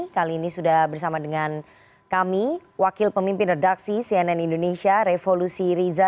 kali ini sudah bersama dengan kami wakil pemimpin redaksi cnn indonesia revolusi riza